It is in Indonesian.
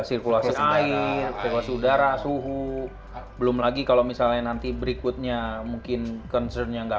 sirkulasi air sirkulasi udara suhu belum lagi kalau misalnya nanti berikutnya mungkin concernnya enggak